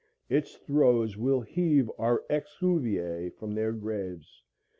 Its throes will heave our exuviæ from their graves.